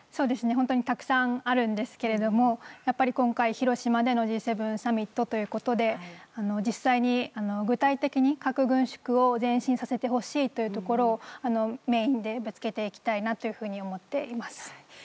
本当にたくさんあるんですけれどもやっぱり今回広島でのＧ７サミットということで実際に具体的に核軍縮を前進させてほしいというところをメインでぶつけていきたいなというふうに思っています。